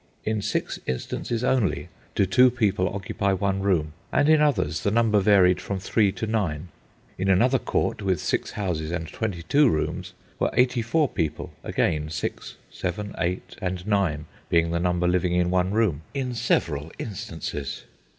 In six instances only do 2 people occupy one room; and in others the number varied from 3 to 9. In another court with six houses and twenty two rooms were 84 people—again 6, 7, 8, and 9 being the number living in one room, in several instances.